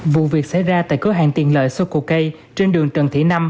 vụ việc xảy ra tại cửa hàng tiền lợi soko k trên đường trần thị năm